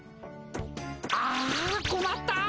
あこまったっ！